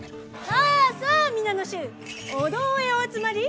さあさあ皆の衆お堂へお集まり！